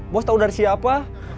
bos tau dari siapa